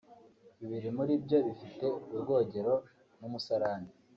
bibiri muri byo bifite urwogero n’umusarane